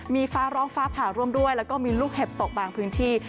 มีฟ้าร้องฟ้าผ่าร่วมด้วยแล้วก็มีลูกเห็บตกบางพื้นที่